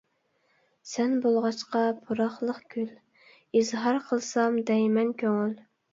سەن بولغاچقا پۇراقلىق گۈل، ئىزھار قىلسام دەيمەن كۆڭۈل.